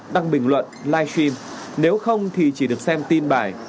đăng bình luận livestream nếu không thì chỉ được xem tin bài